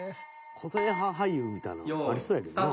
個性派俳優みたいな。ありそうやけどな。